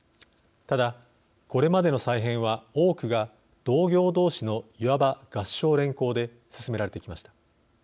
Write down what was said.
ただこれまでの再編は多くが同業同士のいわば合従連衡で進められてきました。